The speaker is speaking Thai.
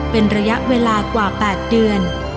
เป็นระยะเวลากว่า๘เดือน